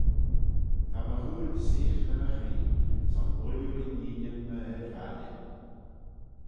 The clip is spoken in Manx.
Ta my hooill seaghney my chree, son ooilley inneenyn my ard-valley.